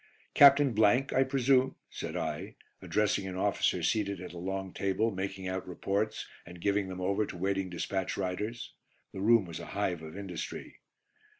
"Captain , I presume?" said I, addressing an officer seated at a long table making out reports and giving them over to waiting dispatch riders. The room was a hive of industry.